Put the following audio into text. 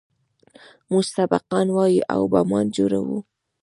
موږ سبقان وايو او بمان جوړوو.